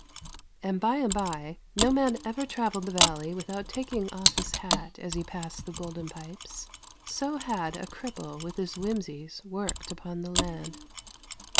And by and by, no man ever travelled the valley without taking off his hat as he passed the Golden Pipes — so had a cripple with liis whimsies worked upon the land.